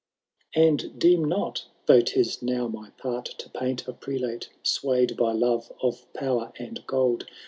And deem not, though ^is now my part to paint A prelate sway*d by love of power and gold.